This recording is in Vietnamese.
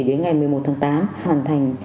đến ngày một mươi một tháng tám hoàn thành